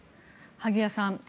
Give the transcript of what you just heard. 萩谷さん